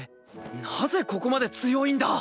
なぜここまで強いんだ！